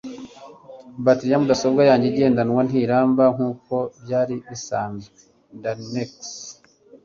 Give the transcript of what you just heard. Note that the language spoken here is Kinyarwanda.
Bateri ya mudasobwa yanjye igendanwa ntiramba nkuko byari bisanzwe (darinmex)